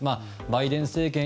バイデン政権